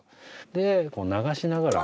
でこう流しながら。